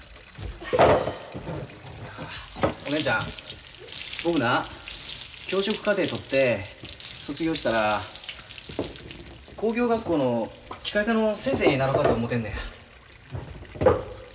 お姉ちゃん僕な教職課程とって卒業したら工業学校の機械科の先生になろかと思てんねや。